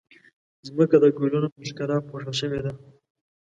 ځمکه د ګلونو په ښکلا پوښل شوې ده.